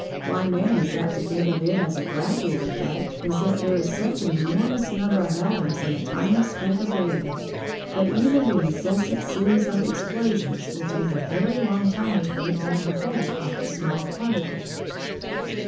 Why man is apt to think of it as a gradual effect is that there is such an enormous number of atoms in a tiny speck of radium, that even the incessant series of explosions will take a very long time to break down the whole of the small particle.